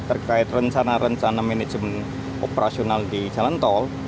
terkait rencana rencana manajemen operasional di jalan tol